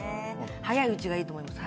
早いうちがいいと思います。